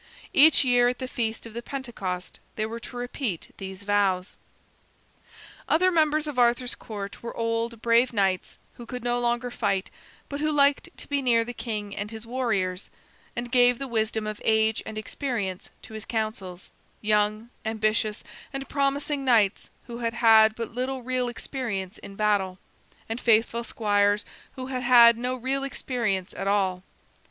Each year at the feast of the Pentecost they were to repeat these vows. Other members of Arthur's Court were old, brave knights who could no longer fight, but who liked to be near the king and his warriors, and gave the wisdom of age and experience to his councils; young, ambitious, and promising knights who had had but little real experience in battle; and faithful squires who had had no real experience at all.